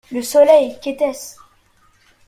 Le soleil? qu’était-ce ?